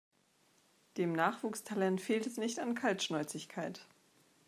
Dem Nachwuchstalent fehlt es nicht an Kaltschnäuzigkeit.